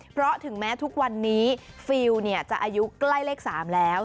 เพราะถึงแม้ทุกวันนี้ฟิลจะอายุใกล้เลข๓แล้ว